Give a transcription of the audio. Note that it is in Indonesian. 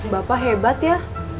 bapak hebat ya